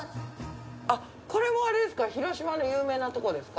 これもあれですか？